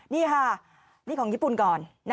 นี่ค่ะนี่ของญี่ปุ่นก่อน